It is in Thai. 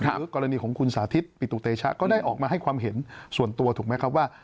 หรือกรณีของคุณสาธิตปิตุเตชะก็ได้ออกมาให้ความเห็นส่วนตัวถูกไหมครับว่า